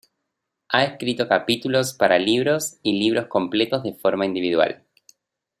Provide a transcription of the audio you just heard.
Ha escrito capítulos para libros y libros completos de forma individual.